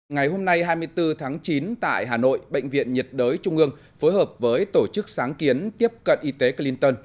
ngày hôm nay hai mươi bốn tháng chín tại hà nội bệnh viện nhiệt đới trung ương phối hợp với tổ chức sáng kiến tiếp cận y tế clinton